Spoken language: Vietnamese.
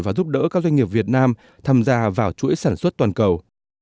và giúp đỡ các doanh nghiệp việt nam tham gia vào chuỗi sản xuất toàn cầu